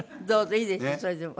いいですそれでも。